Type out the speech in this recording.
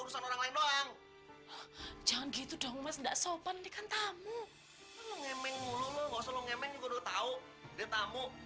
sampai jumpa di video selanjutnya